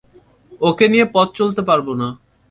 ওঁকে নিয়ে পথ চলতে পারব না।